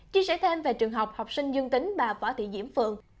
chia sẻ thêm về trường học học sinh dương tính bà võ thị diễm phường